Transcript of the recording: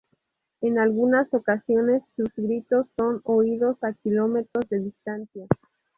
En algunas ocasiones, sus gritos son oídos a kilómetros de distancia.